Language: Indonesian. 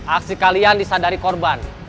aksi kalian disadari korban